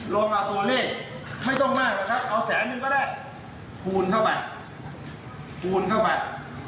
รวมกับตัวเลขไม่ต้องมากหรอกครับเอาแสนนึงก็ได้คูณเข้าไปคูณเข้าไป